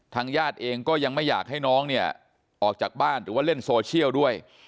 ญาติเองก็ยังไม่อยากให้น้องเนี่ยออกจากบ้านหรือว่าเล่นโซเชียลด้วย